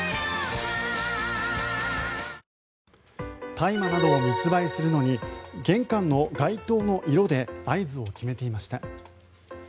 大麻などを密売するのに玄関の街灯の色で合図を決めていました。